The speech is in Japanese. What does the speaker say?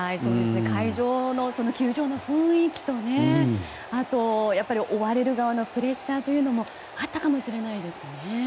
会場、球場の雰囲気とあと追われる側のプレッシャーもあったかもしれませんね。